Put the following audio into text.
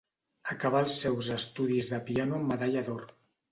Acabà els seus estudis de piano amb medalla d'or.